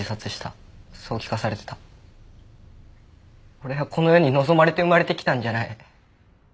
俺はこの世に望まれて生まれてきたんじゃない。